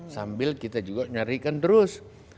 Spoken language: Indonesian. sambil kita juga nyarikan terus